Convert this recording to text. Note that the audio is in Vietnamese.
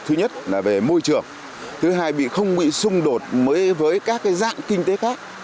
thứ nhất là về môi trường thứ hai bị không bị xung đột với các dạng kinh tế khác